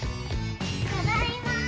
ただいまー！